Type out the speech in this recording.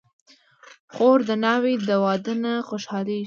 خور د ناوې د واده نه خوشحالېږي.